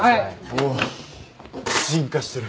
おお進化してる。